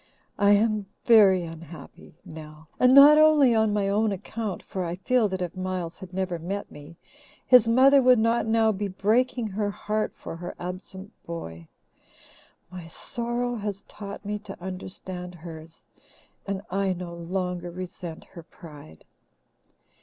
I am very unhappy, Nell, and not only on my own account, for I feel that if Miles had never met me, his mother would not now be breaking her heart for her absent boy. My sorrow has taught me to understand hers, and I no longer resent her pride.